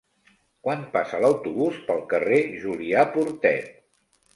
Quan passa l'autobús pel carrer Julià Portet?